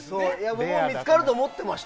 僕も見つかると思ってました。